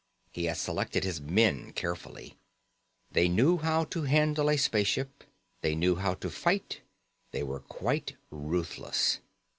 He had selected his men carefully: they knew how to handle a spaceship, they knew how to fight, they were quite ruthless.